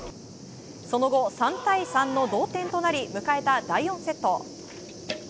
その後、３対３の同点となり迎えた第４セット。